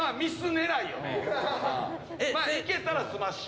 いけたらスマッシュ。